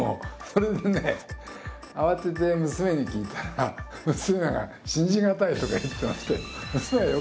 それでね慌てて娘に聞いたら娘が信じ難いとか言ってましたよ。